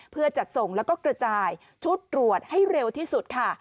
เพื่อจัดส่งแล้วก็กระจายชุดตรวจให้เร็วที่สุดค่ะ